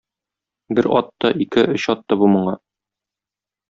Бер атты, ике, өч атты бу моңа.